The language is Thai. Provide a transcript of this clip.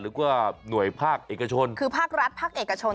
หรือว่าหน่วยภาคเอกชนคือภาครัฐภาคเอกชน